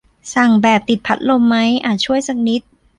สั่งแบบติดพัดลมไหม อาจช่วยสักนิด